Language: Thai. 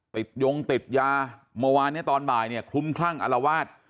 ยงติดยาเมื่อวานเนี่ยตอนบ่ายเนี่ยคลุมคลั่งอารวาส